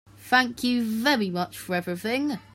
Thank you very much for everything.